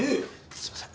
すいません